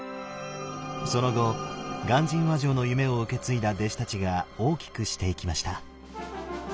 その後鑑真和上の夢を受け継いだ弟子たちが大きくしていきました。